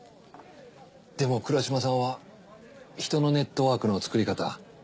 でも倉嶋さんは人のネットワークの作り方